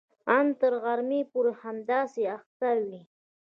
ان تر غرمې پورې همداسې اخته وي.